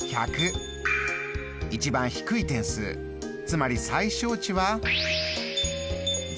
一番低い点数つまり最小値は０。